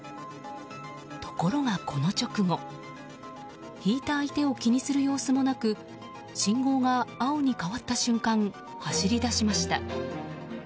ところが、この直後ひいた相手を気にする様子もなく信号が青に変わった瞬間走り出しました。